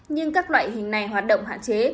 nhưng các loại hình này hoạt động hạn chế